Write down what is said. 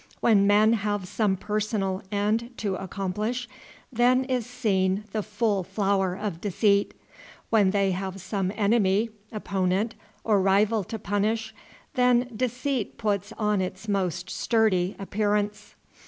When men have some personal end to accomplish, then is seen the full flower of deceit. When they have some enemy, opponent, or rival to punish, then deceit puts on its most sturdy appearance.